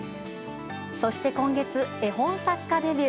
そして今月、絵本作家デビュー。